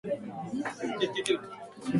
机の上がごちゃごちゃしている。